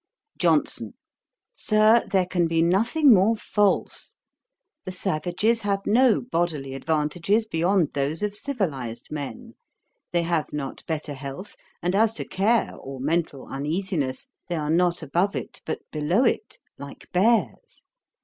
JOHNSON. 'Sir, there can be nothing more false. The savages have no bodily advantages beyond those of civilised men. They have not better health; and as to care or mental uneasiness, they are not above it, but below it, like bears.